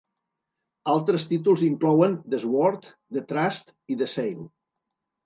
Altres títols inclouen "The Sword", "The Thrust" i "The Sail".